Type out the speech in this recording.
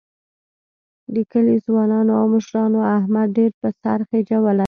د کلي ځوانانو او مشرانو احمد ډېر په سر خېجولی